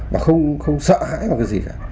và không sợ hãi vào cái gì cả